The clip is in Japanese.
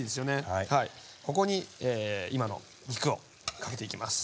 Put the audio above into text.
ここに今の肉をかけていきます。